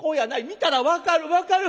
見たら分かる分かる。